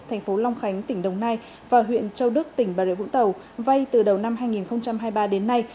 thành phố long khánh tỉnh đồng nai và huyện châu đức tỉnh bà rịa vũng tàu vay từ đầu năm hai nghìn hai mươi ba đến nay